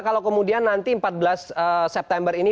kalau kemudian nanti empat belas september ini